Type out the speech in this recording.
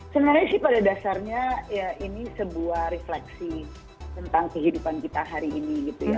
sebenarnya sih pada dasarnya ya ini sebuah refleksi tentang kehidupan kita hari ini gitu ya